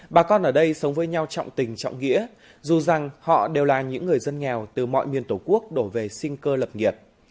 bà con ở đây sống với nhau trọng tình trọng nghĩa dù rằng họ đều là những người dân nghèo từ mọi miền tổ quốc đổ về sinh cơ lập nghiệp